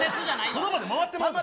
その場で回ってまうで。